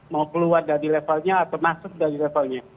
mau keluar dari levelnya atau masuk dari levelnya